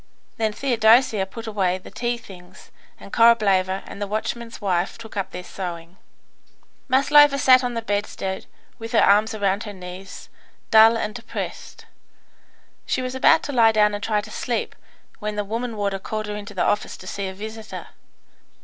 Then Theodosia put away the tea things, and Korableva and the watchman's wife took up their sewing. Maslova sat down on the bedstead, with her arms round her knees, dull and depressed. She was about to lie down and try to sleep, when the woman warder called her into the office to see a visitor.